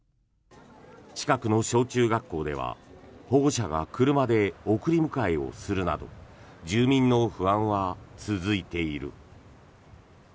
近くの小中学校では保護者が車で送り迎えをするなど住民の不安は続いている。